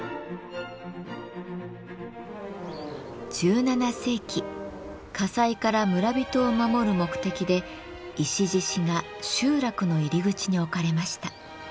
１７世紀火災から村人を守る目的で石獅子が集落の入り口に置かれました。